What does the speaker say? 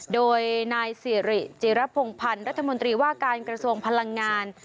โดยนายสิริจิรพงพันธ์รัฐมนตรีว่าการกระทรวงพลังงาน